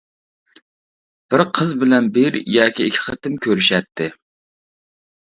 بىر قىز بىلەن بىر ياكى ئىككى قېتىم كۆرۈشەتتى.